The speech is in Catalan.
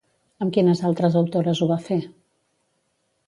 Amb quines altres autores ho va fer?